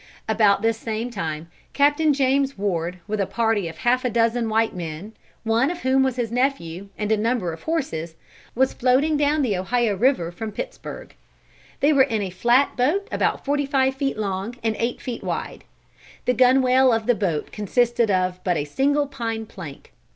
About this same time Captain James Ward, with a party of half a dozen white men, one of whom was his nephew, and a number of horses, was floating down the Ohio River from Pittsburgh. They were in a flat boat about forty five feet long and eight feet wide. The gunwale of the boat consisted of but a single pine plank.